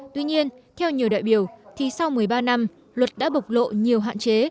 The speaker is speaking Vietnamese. tuy nhiên theo nhiều đại biểu thì sau một mươi ba năm luật đã bộc lộ nhiều hạn chế